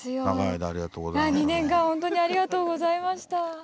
２年間本当にありがとうございました。